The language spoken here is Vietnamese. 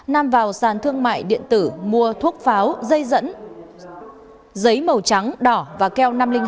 nam vào sàn thương mại điện tử mua thuốc pháo dây dẫn giấy màu trắng đỏ và keo năm trăm linh năm